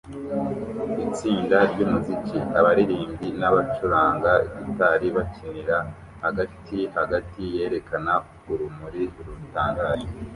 Itsinda ryumuziki 'abaririmbyi n'abacuranga gitari bakinira hagati hagati yerekana urumuri rutangaje